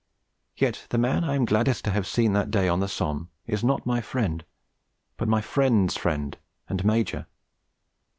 Yet the man I am gladdest to have seen that day on the Somme is not my friend, but my friend's friend and Major....